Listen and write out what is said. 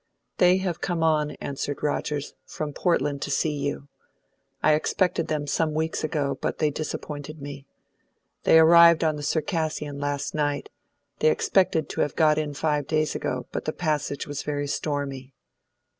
"They have come on," answered Rogers, "from Portland to see you. I expected them some weeks ago, but they disappointed me. They arrived on the Circassian last night; they expected to have got in five days ago, but the passage was very stormy."